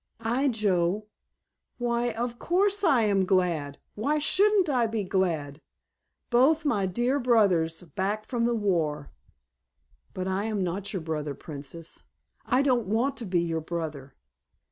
"I, Joe? Why, of course I am glad! Why shouldn't I be glad? Both my dear brothers back from war——" "But I am not your brother, Princess. I don't want to be your brother."